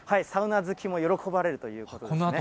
サウナ好きも喜ばれるということですね。